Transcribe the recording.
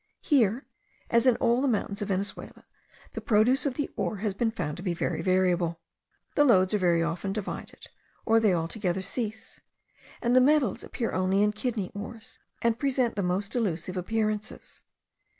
Here, as in all the mountains of Venezuela, the produce of the ore has been found to be very variable. The lodes are very often divided, or they altogether cease; and the metals appear only in kidney ores, and present the most delusive appearances.